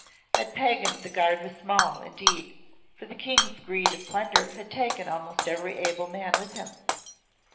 At Pagan the guard was small, indeed, for the King's greed of plunder had taken almost every able man with him.